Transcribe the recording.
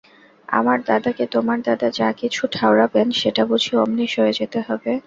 আমার দাদাকে তোমার দাদা যা-কিছু ঠাওরাবেন সেটা বুঝি অমনি সয়ে যেতে হবে!